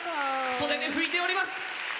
袖で拭いております。